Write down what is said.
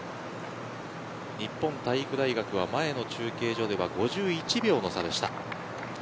日本体育大学は前の中継所では５１秒の差でした。